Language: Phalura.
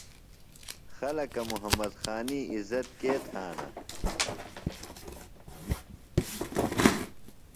خلکہ محمد خانی عزت کے تھانہ؟